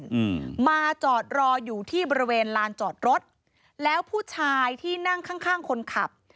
อืมมาจอดรออยู่ที่บริเวณลานจอดรถแล้วผู้ชายที่นั่งข้างข้างคนขับ